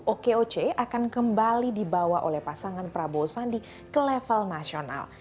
okoc akan kembali dibawa oleh pasangan prabowo sandi ke level nasional